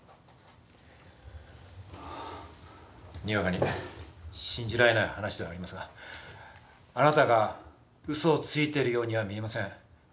にわかに信じられない話ではありますがあなたがうそをついてるようには見えません。